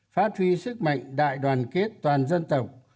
phát huy sức mạnh đại đoàn kết toàn dân tộc